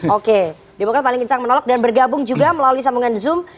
oke demokrat paling kencang menolak dan bergabung juga melalui sambungan zoom